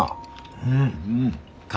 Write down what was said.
うん。